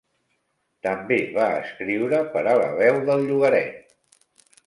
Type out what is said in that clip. També va escriure per a la veu del llogaret.